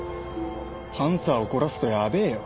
パンサー怒らすとやべえよ？